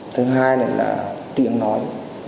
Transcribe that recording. thứ hai là tiếng nói